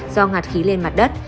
do ngạt khí lên mặt đất